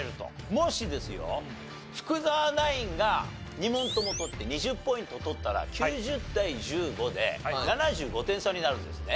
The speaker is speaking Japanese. もしですよ福澤ナインが２問とも取って２０ポイント取ったら９０対１５で７５点差になるんですね。